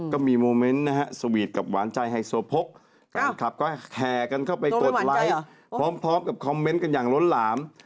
ก็มีโมเมนต์นะฮะสวีทกับหวานใจไฮโซโพกแฟนคลับก็แห่กันเข้าไปกดไลค์พร้อมกับคอมเมนต์กันอย่างล้นหลาม